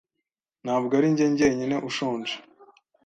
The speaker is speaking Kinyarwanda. Ntabwo ari njye jyenyine ushonje.